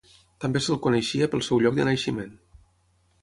També se'l coneixia pel seu lloc de naixement: